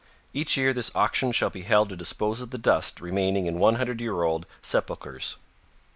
Each year this auction shall be held to dispose of the dust remaining in one hundred year old sepulchers."